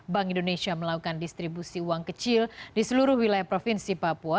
bank indonesia melakukan distribusi uang kecil di seluruh wilayah provinsi papua